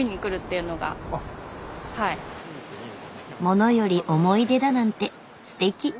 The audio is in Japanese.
物より思い出だなんてすてき。